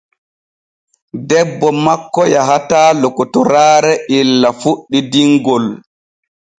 Debbo makko yahataa lokotoraare illa fuɗɗi dinŋol.